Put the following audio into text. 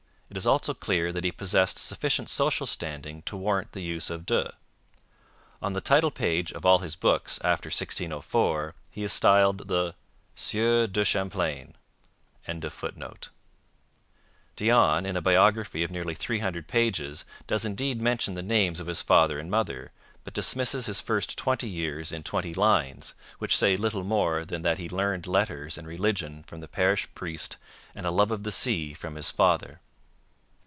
It is also clear that he possessed sufficient social standing to warrant the use of de. On the title page of all his books after 1604 he is styled the 'Sieur de Champlain.'] Dionne, in a biography of nearly three hundred pages, does indeed mention the names of his father and mother, but dismisses his first twenty years in twenty lines, which say little more than that he learned letters and religion from the parish priest and a love of the sea from his father.